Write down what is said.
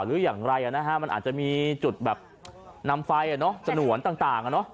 หรืออย่างไรอ่ะนะฮะมันอาจจะมีจุดแบบนำไฟอ่ะเนาะจะหน่วนต่างอ่ะเนาะ